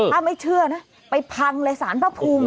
ถ้าไม่เชื่อนะไปพังเลยสารพระภูมิ